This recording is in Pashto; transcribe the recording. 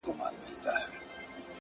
وران خو وراني كيسې نه كوي ـ